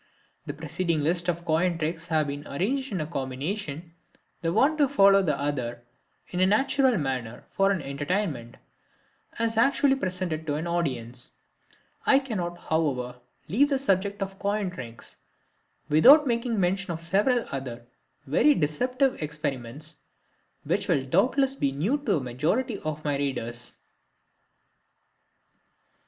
The preceding list of coin tricks has been arranged in combination, the one to follow the other in a natural manner, for an entertainment, as actually presented to an audience. I cannot, however, leave the subject of coin tricks without making mention of several other very deceptive experiments, which will doubtless be new to the majority of my readers.